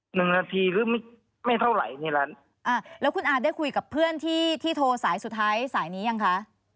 หนึ่งนาทีหรือไม่ไม่เท่าไหร่ในร้านอ่าแล้วคุณอาได้คุยกับเพื่อนที่ที่โทรสายสุดท้ายสายนี้ยังคะ